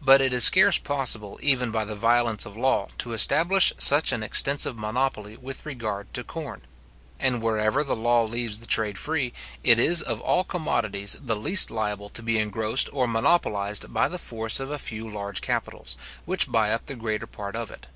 But it is scarce possible, even by the violence of law, to establish such an extensive monopoly with regard to corn; and wherever the law leaves the trade free, it is of all commodities the least liable to be engrossed or monopolised by the force a few large capitals, which buy up the greater part of it.